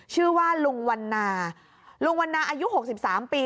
ชื่อว่าลุงวันนาลุงวันนาอายุหกสิบสามปี